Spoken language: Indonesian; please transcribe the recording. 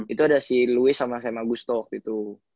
itu ada si louis sama si emma gusto gitu